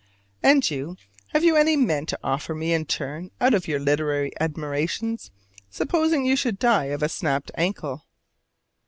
And you? have you any men to offer me in turn out of your literary admirations, supposing you should die of a snapped ankle?